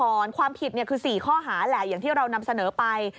ความผิดคือ๔ข้อหาแหละอย่างที่เรานำเสนอไป